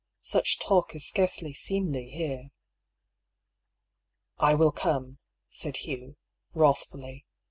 Such talk is scarcely seemly here." " I will come," said Hugh, wrathf uUy.